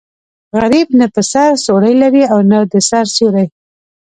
غریب نه په سر څوړی لري او نه د سر سیوری.